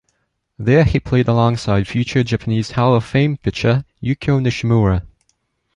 There he played alongside future Japanese Hall of Fame pitcher Yukio Nishimura.